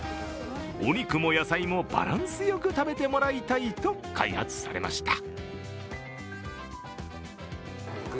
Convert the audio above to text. お肉も野菜もバランスよく食べてもらいたいと開発されました。